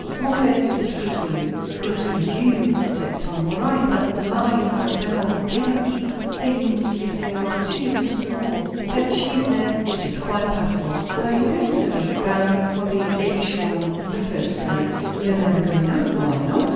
"Small fare is good for you!" "Good for you," said Tom, "all right; but my Arabella cannot eat things if they are too small. That cheese, now! " "It is quite passable." "Where are you going, Philip?" "Bound for the AEggischhorn, in the first place." "You are never going up?" "Why not?"